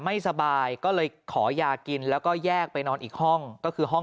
ไม่สบายก็เลยขอยากินแล้วก็แยกไปนอนอีกห้องก็คือห้อง